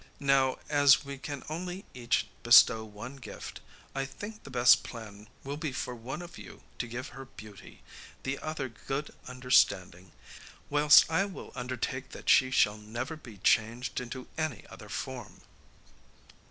Now, as we can only each bestow one gift, I think the best plan will be for one of you to give her beauty, the other good understanding, whilst I will undertake that she shall never be changed into any other form.